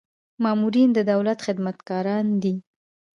مامورین د دولت خدمتګاران دي